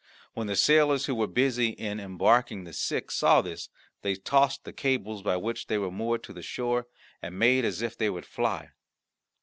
When the sailors who were busy in embarking the sick saw this, they loosed the cables by which they were moored to the shore, and made as if they would fly.